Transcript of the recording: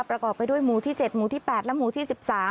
ประกอบไปด้วยหมู่ที่๗หมู่ที่๘และหมู่ที่๑๓